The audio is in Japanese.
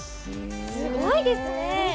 すごいですね。